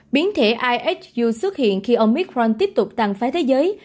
biến thể ihu xuất hiện khi omicron tiếp tục tăng phái thế giới